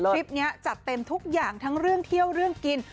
คลิปนี้จัดเต็มทุกอย่างทั้งเรื่องเที่ยวเรื่องกิน